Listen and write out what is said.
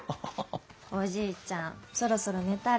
おじいちゃんそろそろ寝たら？